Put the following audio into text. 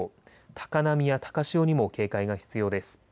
高波や高潮にも警戒が必要です。